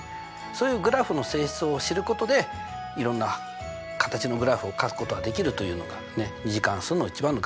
そういうグラフの性質を知ることでいろんな形のグラフをかくことができるというのが２次関数の一番の学習だと思います。